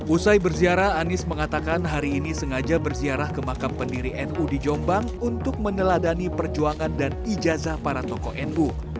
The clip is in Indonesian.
usai berziarah anies mengatakan hari ini sengaja berziarah ke makam pendiri nu di jombang untuk meneladani perjuangan dan ijazah para tokoh nu